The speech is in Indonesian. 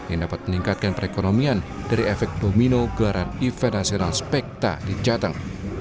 yang dapat meningkatkan perekonomian dari efek domino gelaran event nasional spekta di jateng